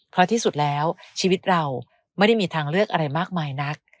เพราะที่สุดแล้วชีวิตเราไม่ได้มีทางเลือกอะไรมากมายนัก